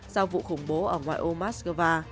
sau vụ khủng bố ở ngoài ô moscow